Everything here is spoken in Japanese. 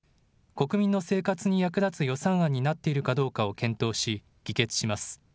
国民の生活に役立つ予算案になっているかどうかを検討し、議決します。